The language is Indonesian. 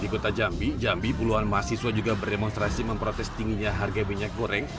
di kota jambi jambi puluhan mahasiswa juga berdemonstrasi memprotes tingginya harga minyak goreng